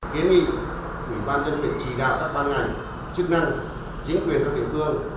kế nị ủy ban nhân viện chỉ đạo các ban ngành chức năng chính quyền các địa phương